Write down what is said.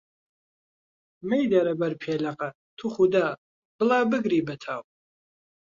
مەیدەرە بەر پێلەقە، توخودا، بڵا بگری بە تاو!